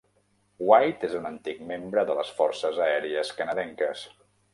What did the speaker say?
White és un antic membre de les forces aèries canadenques.